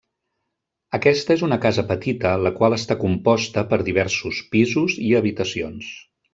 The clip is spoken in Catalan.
Aquesta és una casa petita la qual està composta per diversos pisos i habitacions.